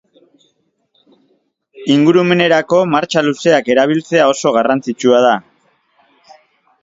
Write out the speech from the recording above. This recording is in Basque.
Ingurumenerako martxa luzeak erabiltzea oso garrantzitsua da.